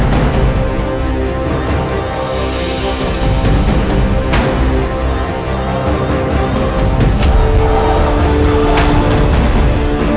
kayaknya gue pernah ketemu sama lo deh